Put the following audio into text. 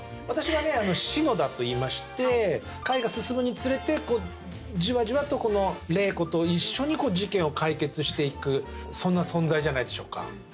私はね篠田といいまして回が進むにつれてこうじわじわと麗子と一緒に事件を解決していくそんな存在じゃないでしょうか。